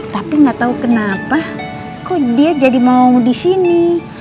tapi nggak tahu kenapa kok dia jadi mau di sini